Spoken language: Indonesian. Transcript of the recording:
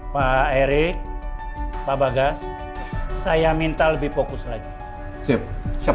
pak eric pak bagas saya minta lebih fokus lagi siap siap